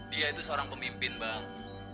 dia itu seorang pemimpin bang